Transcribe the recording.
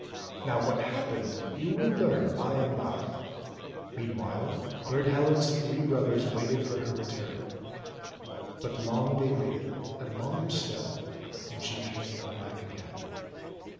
Now what happened you will learn by and by ; mean while, Burd Helen's three brothers waited for her return. But long they waited, and longer still, And she came not back again.